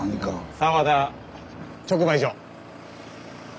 「沢田直売所」。